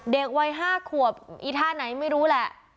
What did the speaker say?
เด็กวัย๕ขวบอีท่าไหนไม่รู้แหละ